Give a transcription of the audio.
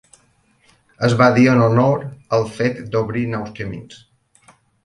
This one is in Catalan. Es va dir en honor al fet d'obrir nous camins.